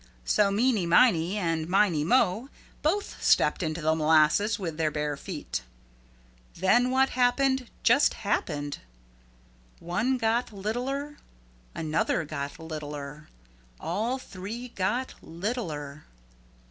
So Meeney Miney and Miney Mo both stepped into the molasses with their bare feet. Then what happened just happened. One got littler. Another got littler. All three got littler.